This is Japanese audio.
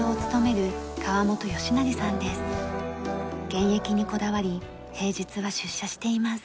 現役にこだわり平日は出社しています。